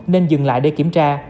nên dừng lại để kiểm tra